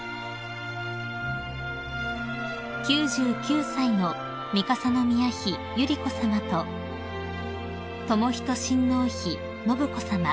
［９９歳の三笠宮妃百合子さまと仁親王妃信子さま